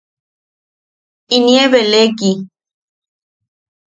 Inie beleeki.